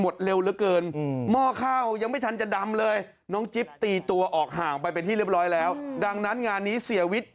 ดังนั้นนางานนี้เสียวิทย์